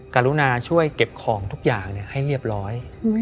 กรุณาช่วยเก็บของทุกอย่างให้เรียบร้อย